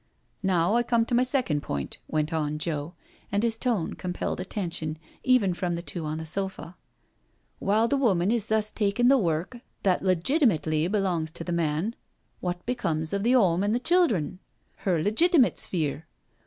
" Now I come to my second point," went on Joe, and his tone compelled attention even from the two on the sofa. " While the woman is thus takin' the work that legitimately belongs to the man, what becomes of the F 66 NO SURRENDER 'ome an' the children? — ^her legitimate sphere?